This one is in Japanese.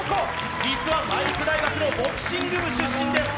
実は体育大学のボクシング部出身です。